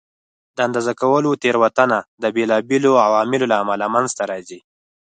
د اندازه کولو تېروتنه د بېلابېلو عواملو له امله منځته راځي.